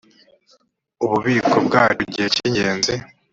ububiko bwacu igihe cy ingenzi